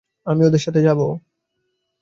আমি ওদের সাথে যাবো?